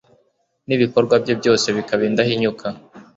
n'ibikorwa bye byose bikaba indahinyuka